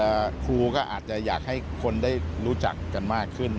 ครูก็อาจจะอยากให้คนได้รู้จักกันมากขึ้น